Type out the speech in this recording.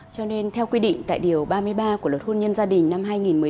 cho nên theo quy định tại điều ba mươi ba của luật hôn nhân gia đình năm hai nghìn một mươi năm